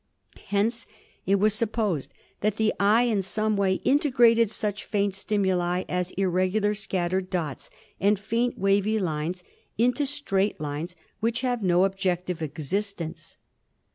Hence it was supposed that the eye in some way integrated such faint stimuli as irregular scattered dots and faint, wavy lines into straight lines which have no objective existence.